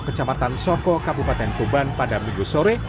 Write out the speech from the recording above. kecamatan soko kabupaten tuban pada minggu sore